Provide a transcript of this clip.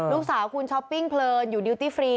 ลูกสาวคุณช้อปปิ้งเพลินอยู่ดิวตี้ฟรี